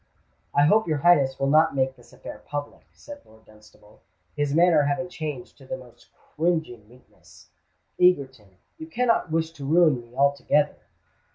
"I hope your Highness will not make this affair public," said Lord Dunstable, his manner having changed to the most cringing meekness. "Egerton—you cannot wish to ruin me altogether?"